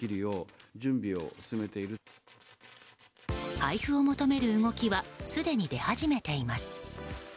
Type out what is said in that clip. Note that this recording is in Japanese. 配布を求める動きはすでに出始めています。